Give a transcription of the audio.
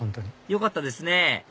よかったですね